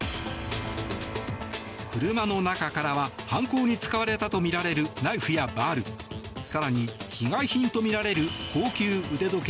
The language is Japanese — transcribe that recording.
車の中からは犯行に使われたとみられるナイフやバール更に、被害品とみられる高級腕時計